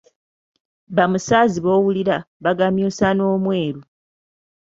"Ba Musaazi b’owulira, bagamyusa n'omweru."